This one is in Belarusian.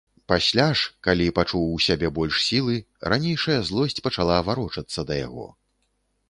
Пасля ж, калі пачуў у сябе больш сілы, ранейшая злосць пачала варочацца да яго.